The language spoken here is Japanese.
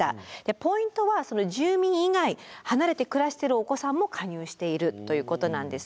ポイントはその住民以外離れて暮らしてるお子さんも加入しているということなんですね。